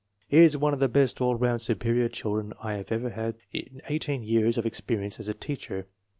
"He is one of the best all round superior children I have ever had in eighteen years of experience as a teacher."